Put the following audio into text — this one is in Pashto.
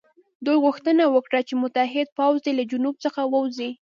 دوی غوښتنه وکړه چې متحد پوځ دې له جنوب څخه ووځي.